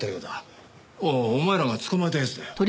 お前らが捕まえた奴だよ。